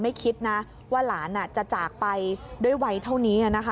ไม่คิดว่าหลานจะจากไปด้วยวัยเท่านี้